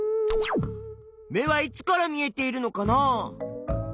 目はいつから見えているのかな？